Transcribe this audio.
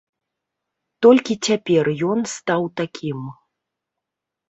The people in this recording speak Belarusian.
Толькі цяпер ён стаў такім.